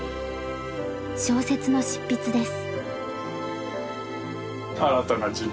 小説の執筆です。